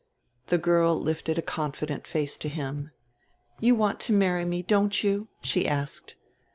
The girl lifted a confident face to him. "You want to marry me, don't you?" she asked.